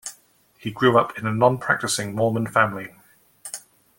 He grew up in a nonpracticing Mormon family.